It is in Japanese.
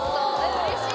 うれしい！